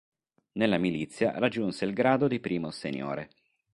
Nella Milizia raggiunse il grado di Primo seniore.